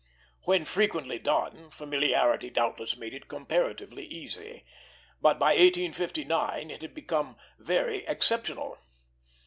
When frequently done, familiarity doubtless made it comparatively easy; but by 1859 it had become very exceptional.